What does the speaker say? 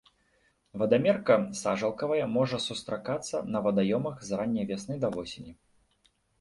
Вадамерка сажалкавая можа сустракацца на вадаёмах з ранняй вясны да восені.